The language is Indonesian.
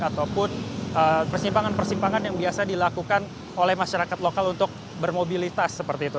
ataupun persimpangan persimpangan yang biasa dilakukan oleh masyarakat lokal untuk bermobilitas seperti itu